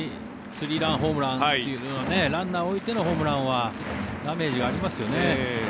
スリーランホームランというのはランナー置いてのホームランはダメージがありますよね。